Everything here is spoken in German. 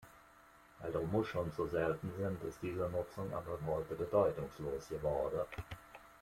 Weil die Muscheln zu selten sind, ist diese Nutzung aber heute bedeutungslos geworden.